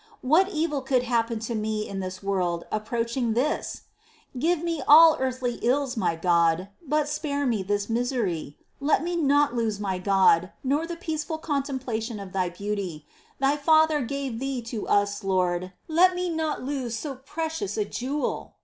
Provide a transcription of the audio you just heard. What evil could happen to me in this world approaching this ? Give me all earthly ills, my God, but spare me this misery !® Let me not lose my God, nor the peaceful contemplation of Thy beauty : Thy Father gave Thee to us, Lord ; let me not lose so precious a Jewel